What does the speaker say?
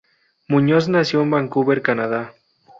Muñoz nació en Vancouver, Canadá.